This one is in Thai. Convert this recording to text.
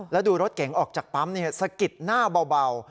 แล้วดูรถเก๋งออกจากปั๊มสะกิดหน้าเบา